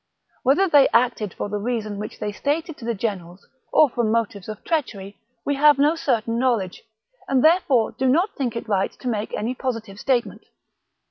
Whether they acted for the reason which they stated to the generals or from motives of treachery we have no certain know ledge, and therefore do not think it right to make any positive statement.